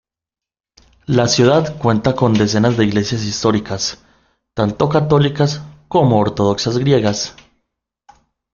La ciudad cuenta con decenas de iglesias históricas, tanto católicas como ortodoxas griegas.